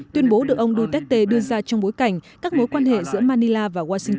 tuyên bố được ông duterte đưa ra trong bối cảnh các mối quan hệ giữa manila và washingt